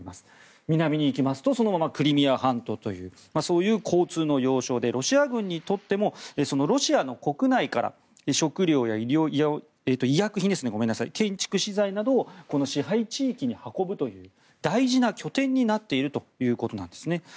南に行きますとクリミア半島というそういう交通の要衝でロシア軍にとってもロシアの国内から食料や医薬品建築資材などを支配地域に運ぶという大事な拠点になっているということなんですね。